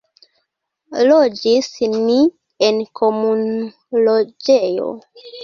Loĝis ni en komunloĝejo.